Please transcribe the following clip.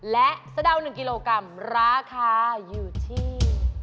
และสะดาว๑กิโลกรัมราคาอยู่ที่